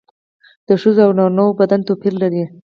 د ښځو او نارینه وو بدن توپیر لري